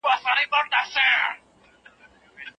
د ارغنداب سیند له امله د کار موندنې فرصتونه پیدا سوي.